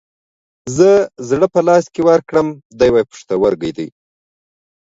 زه زړه په لاس کې ورکړم ، دى واي پښتورگى دى.